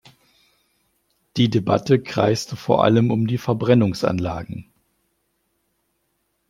Die Debatte kreiste vor allem um die Verbrennungsanlagen.